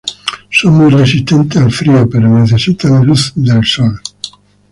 Son muy resistentes al frío pero necesitan luz del sol.